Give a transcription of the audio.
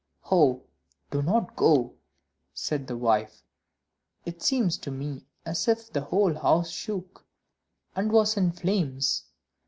"Oh, do not go," said the wife; "it seems to me as if the whole house shook, and was in flames."